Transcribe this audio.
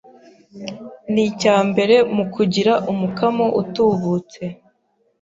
nicya mbere mu kugira umukamo utubutse